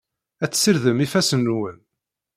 Ad tessirdem ifassen-nwen.